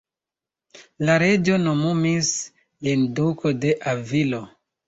La reĝo nomumis lin Duko de Avilo.